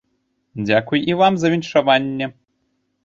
Дзякуй і вам за віншаванне.